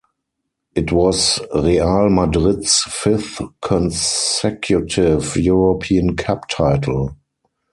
It was Real Madrid's fifth consecutive European Cup title.